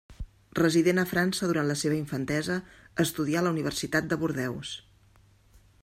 Resident a França durant la seva infantesa, estudià a la Universitat de Bordeus.